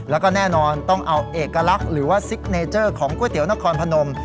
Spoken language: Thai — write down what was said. แล้วก็แน่นอนต้องเอาเอกลักษณ์หรือว่าซิกเนเจอร์ของก๋วยเตี๋ยนครพนม